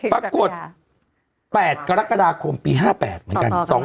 ปรากฏ๘กรกฎาคมปี๕๘เหมือนกัน